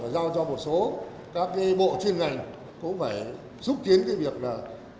giao cho một số các cái bộ chuyên ngành cũng phải xúc tiến cái việc là tăng cường kiểm tra cái việc bảo vệ